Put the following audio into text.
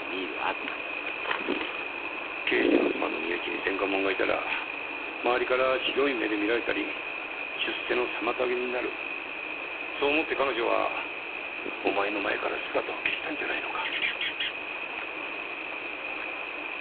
刑事の妻の身内に前科もんがいたら周りから白い目で見られたり出世の妨げになるそう思って彼女はお前の前から姿を消したんじゃないのか？